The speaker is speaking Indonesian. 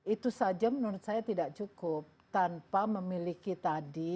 itu saja menurut saya tidak cukup tanpa memiliki tadi